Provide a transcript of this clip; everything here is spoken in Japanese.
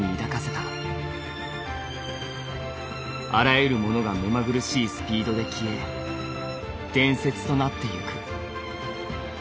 「あらゆるものが目まぐるしいスピードで消え伝説となってゆく。